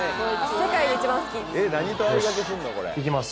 世界で一番好きよし！